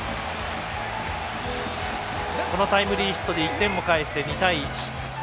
このタイムリーヒットで１点を返して２対１。